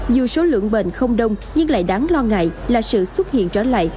dù số lượng bệnh không đông nhưng lại đáng lo ngại là sự xuất hiện trở lại